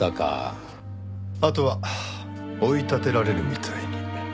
あとは追い立てられるみたいに。